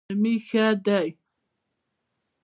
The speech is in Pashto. نرمي ښه دی.